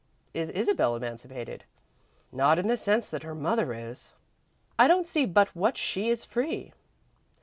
"Is Isabel emancipated?" "Not in the sense that her mother is." "I don't see but what she is free."